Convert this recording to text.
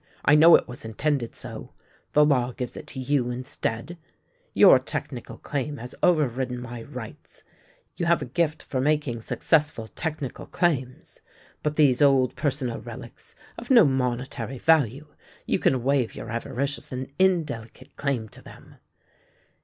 I know it was intended so. The law gives it you instead. Your technical claim has over ridden my rights — you have a gift for making success ful technical claims. But these old personal relics, of no monetary value — you can waive your avaricious and indelicate claim to them."